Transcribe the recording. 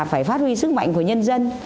phải phát huy sức mạnh của nhân dân